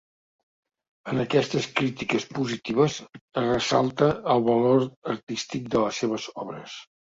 En aquestes crítiques positives es ressalta el valor artístic de les seves obres.